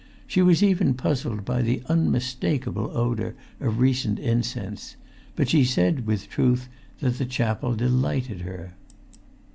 She was even puzzled by the unmistakable odour of recent incense; but she said, with truth, that the chapel delighted her.